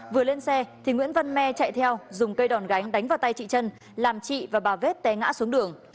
vừa lên xe thì nguyễn văn me chạy theo dùng cây đòn gánh đánh vào tay chị trân làm chị và bà vết té ngã xuống đường